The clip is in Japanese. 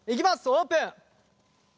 オープン！